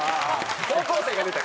高校生が出た。